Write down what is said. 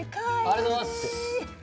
ありがとうございます！